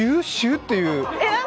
ッていう。